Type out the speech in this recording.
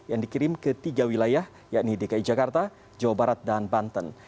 yang dikirim ke tiga wilayah yakni dki jakarta jawa barat dan banten